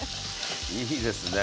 いいですね。